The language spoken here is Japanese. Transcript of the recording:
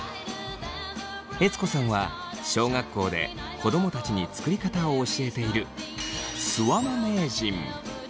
悦子さんは小学校で子供たちに作り方を教えているすわま名人！